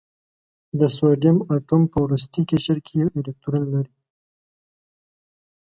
د سوډیم اتوم په وروستي قشر کې یو الکترون لري.